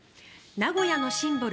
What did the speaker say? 名古屋のシンボル